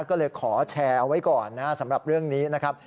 ก็เลยขอแชร์เอาไว้ก่อนนะครับสำหรับเรื่องนี้นะครับ